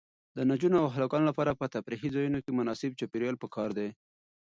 د نجونو او هلکانو لپاره په تفریحي ځایونو کې مناسب چاپیریال پکار دی.